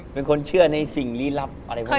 เป็นคนเชื่อในสิ่งลี้ลับอะไรพวกนี้